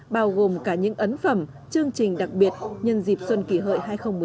bao gồm cả những ấn phẩm chương trình đặc biệt nhân dịp xuân kỷ hợi hai nghìn một mươi chín